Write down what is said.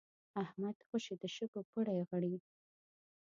احمد خوشی د شګو پړي غړي.